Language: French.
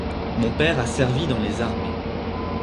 Mon père a servi dans les armées.